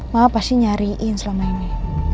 mama pasti nyariin selama ini